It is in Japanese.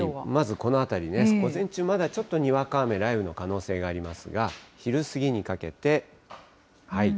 まずこの辺りね、午前中、まだちょっとにわか雨、雷雨の可能性がありますが、昼過ぎにかけて。